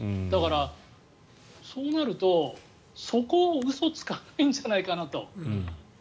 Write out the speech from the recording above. だから、そうなると、そこは嘘つかないんじゃないかなと。